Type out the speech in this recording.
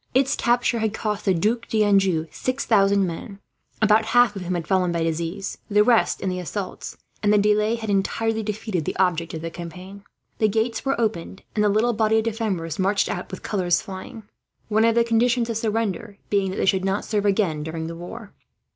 Its capture had cost the Duc d'Anjou 6000 men, about half of whom had fallen by disease, the rest in the assaults; and the delay had entirely defeated the object of the campaign. The gates were opened, and the little body of defenders marched out, with colours flying. One of the conditions of surrender had been that they should not serve again during the war.